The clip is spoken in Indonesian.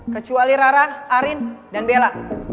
kecuali rara arin dan bella